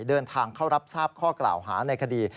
เดินทางเข้ารับทราบข้อกล่าวหาในคดี